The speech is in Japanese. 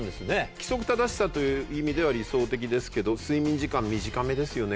規則正しさという意味では理想的ですけど睡眠時間短めですよね